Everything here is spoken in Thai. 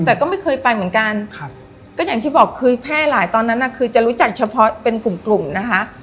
แต่ก็ไม่เคยไปเหมือนกันก็อย่างที่บอกคือแพร่หลายตอนนั้นคือจะรู้จักเฉพาะเป็นกลุ่มกลุ่มนะคะ